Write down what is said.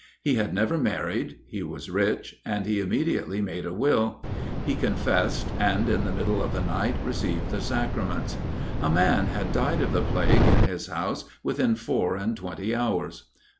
He had never married, he was rich, and he immediately made a will; he confessed, and in the middle of the night received the sacraments. A man had died of the plague in his house within four and twenty hours.